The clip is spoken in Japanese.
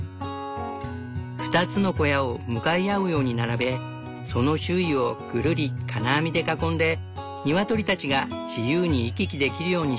２つの小屋を向かい合うように並べその周囲をぐるり金網で囲んでニワトリたちが自由に行き来できるようにした。